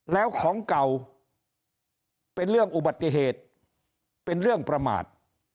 แล้วของเก่าเป็นเรื่องอุบัติเหตุเป็นเรื่องประมาท